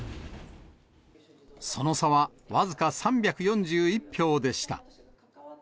その差は僅か３４１票でした。